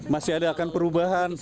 masih ada akan perubahan